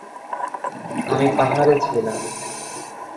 আমি পাহাড়ে ছিলাম।